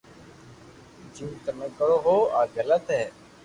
جيم تموو ڪرو ھون آ غلط ي